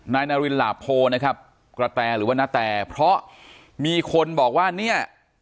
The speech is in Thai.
นายนารินหลาโพนะครับกระแตหรือว่านาแตเพราะมีคนบอกว่าเนี่ย